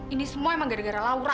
ini semua emang gara gara laura